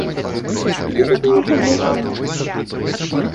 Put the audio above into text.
Ды тут нечага й думаць.